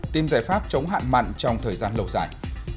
tìm giải pháp chống hạn mặn trong thời gian lâu dài